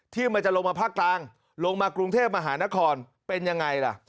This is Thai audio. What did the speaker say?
มันจะลงมาภาคกลางลงมากรุงเทพมหานครเป็นยังไงล่ะ